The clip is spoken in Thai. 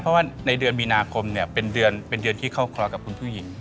เพราะว่าในเดือนมีนาคมเนี่ยเป็นเดือนเป็นเดือนที่เข้าคลอกับคุณผู้หญิง